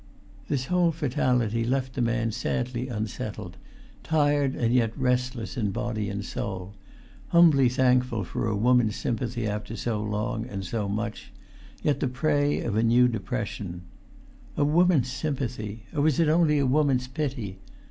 This whole fatality left the man sadly unsettled; tired and yet restless in body and soul; humbly thankful for a woman's sympathy after so long, and[Pg 375] so much, yet the prey of a new depression. A woman's sympathy! Or was it only a woman's pity?